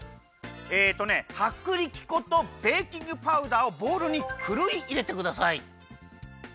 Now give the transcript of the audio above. えっとねはくりき粉とベーキングパウダーをボウルにふるいいれてください。